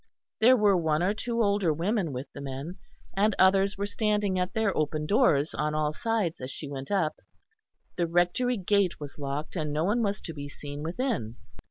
There were one or two older women with the men, and others were standing at their open doors on all sides as she went up. The Rectory gate was locked, and no one was to be seen within.